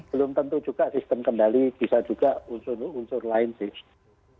belum tentu juga sistem kendali bisa juga unsur unsur lain sih